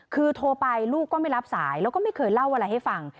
คือโทรไปลูกก็ไม่รับสายแล้วก็ไม่เคยเล่าอะไรให้ฟัง